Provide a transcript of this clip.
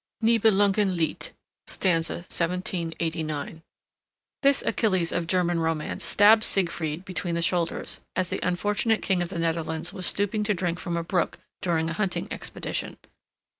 Nibelungen Lied, stanza 1789. This Achilles of German romance stabbed Siegfried between the shoulders, as the unfortunate King of the Netherlands was stooping to drink from a brook during a hunting expedition.